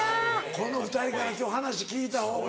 この２人から今日話聞いた方が。